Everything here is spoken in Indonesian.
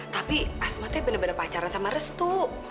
tapi asmatnya benar benar pacaran sama restu